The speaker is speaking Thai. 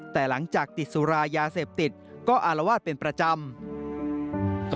แต่หลังจากติดสุรายาเสพติดก็อารวาสเป็นประจำ